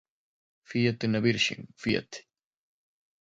Fia-te na Virgem, fia-te.